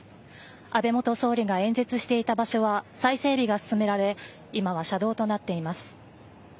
安倍元総理が演説していた場所は再整備が進められ今は車道となっています。